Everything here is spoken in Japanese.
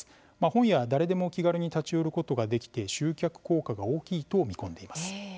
本屋は誰でも気軽に立ち寄ることができて集客効果が大きいと見込んでいます。